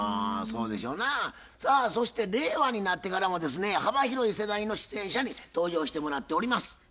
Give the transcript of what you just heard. あそうでしょうなぁ。さあそして令和になってからもですね幅広い世代の出演者に登場してもらっております。